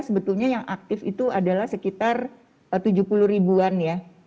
sebetulnya yang aktif itu adalah sekitar tujuh puluh ribuan ya